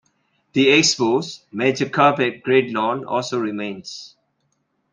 The expo's "Magic Carpet Great Lawn" also remains.